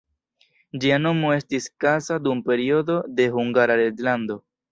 Ĝia nomo estis Kassa dum periodo de Hungara reĝlando.